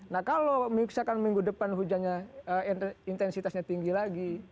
nah kalau misalkan minggu depan hujannya intensitasnya tinggi lagi